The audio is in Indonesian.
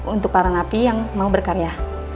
untuk para napi yang mau berkarya